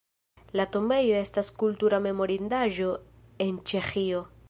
La tombejo estas Kultura memorindaĵo en Ĉeĥio.